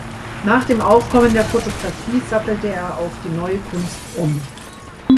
Nach dem Aufkommen der Photographie sattelte er auf die neue Kunst um.